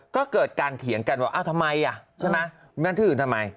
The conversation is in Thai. ก็เกิดการเถียงกันว่าทำไมอ่ะใช่ไหมแม่นที่อื่นทำไม